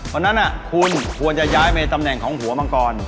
วันนั้นคุณควรจะย้ายไปตำแหน่งของหัวมังกร